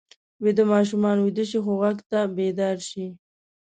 ویده ماشومان ویده شي خو غږ ته بیدار شي